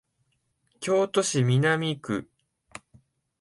京都市南区